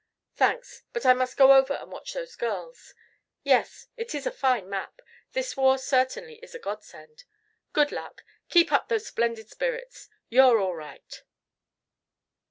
"Thanks, but I must go over and watch those girls. Yes, it is a fine map. This war certainly is a godsend! Good luck. Keep up those splendid spirits. You're all right."